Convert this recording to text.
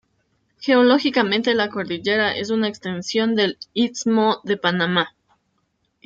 Geológicamente, la cordillera es una extensión del istmo de Panamá.